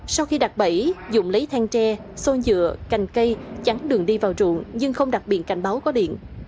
sau khi đặt bẫy dũng lấy thang tre xô dựa cành cây chắn đường đi vào rụng nhưng không đặt biện cảnh báo có điện